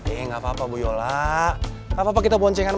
eh gak apa apa bu yola